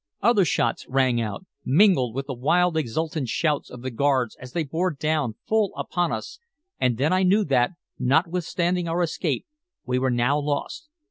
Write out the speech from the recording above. Other shots rang out, mingled with the wild exultant shouts of the guards as they bore down full upon us, and then I knew that, notwithstanding our escape, we were now lost.